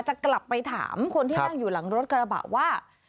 จะกลับไปถามคนที่นั่งอยู่หลังรถกระบะว่า